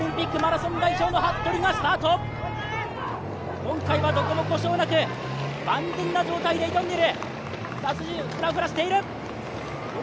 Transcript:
今回はどこも故障なく万全な状態で挑んでいる。